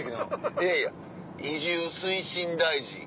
いやいや移住推進大臣。